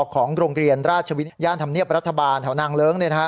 ของโรงเรียนราชวิทย่านธรรมเนียบรัฐบาลแถวนางเลิ้ง